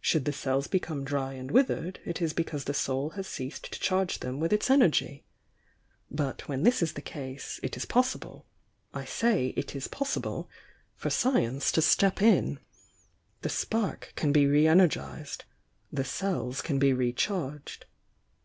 Should the cells become dry and withered, it is because the soul has ceased to charge them with its energy. But when this is the case, it is possible — I say it is pos sible! — for science to step in. The spark can be re energised, — the cells can be re charged."